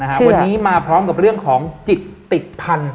วันนี้มาพร้อมกับเรื่องของจิตติดพันธุ